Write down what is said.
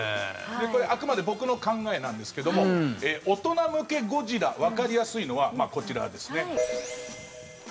これ、あくまで僕の考えなんですけども大人向けゴジラわかりやすいのはこちらですね。